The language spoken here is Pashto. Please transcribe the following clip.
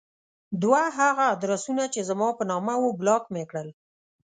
دوه هغه ادرسونه چې زما په نامه وو بلاک مې کړل.